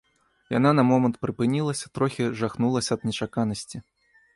Яна на момант прыпынілася, трохі жахнулася ад нечаканасці.